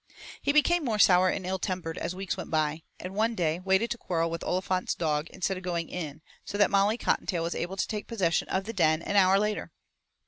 He became more sour and ill tempered as weeks went by, and one day waited to quarrel with Olifant's dog instead of going in so that Molly Cottontail was able to take possession of the den an hour later.